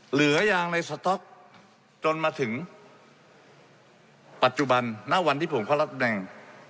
เหลือยางในสต๊อกจนมาถึงปัจจุบันณวันที่ผมเข้ารับแดง